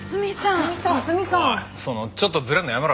おいそのちょっとずれるのやめろ。